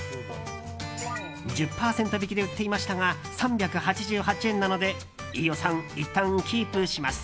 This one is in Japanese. １０％引きで売っていましたが３３８円なので飯尾さん、いったんキープします。